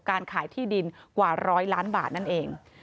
การขายที่ดินกว่าร้อยล้านบาทนั่นเอง